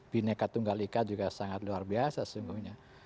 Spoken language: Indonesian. bineka tunggal ikat juga sangat luar biasa